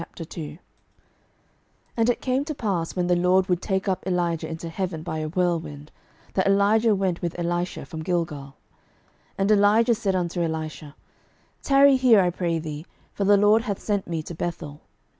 12:002:001 And it came to pass, when the LORD would take up Elijah into heaven by a whirlwind, that Elijah went with Elisha from Gilgal. 12:002:002 And Elijah said unto Elisha, Tarry here, I pray thee; for the LORD hath sent me to Bethel.